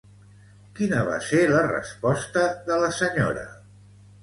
Quina va ser la resposta de la senyora?